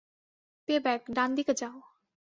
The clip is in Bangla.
প্যেব্যাক, ডানদিকে যাও।